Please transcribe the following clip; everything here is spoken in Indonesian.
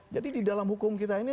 jadi di dalam hukum kita ini